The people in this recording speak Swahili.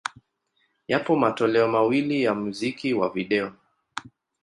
Yapo matoleo mawili ya muziki wa video.